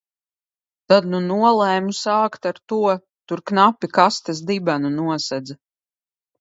Tad nu nolēmu sākt ar to. Tur knapi kastes dibenu nosedza.